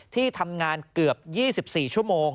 ที่ทำงานเกือบ๒๔ชั่วโมง